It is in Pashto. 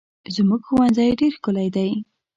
زموږ ښوونځی ډېر ښکلی دی.